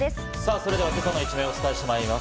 それでは今朝の一面をお伝えしてまいります。